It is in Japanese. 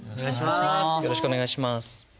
よろしくお願いします。